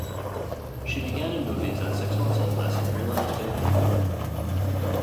She began in movies at six months old as a freelance baby.